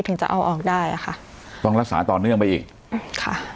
ถึงจะเอาออกได้อ่ะค่ะต้องรักษาต่อเนื่องไปอีกค่ะ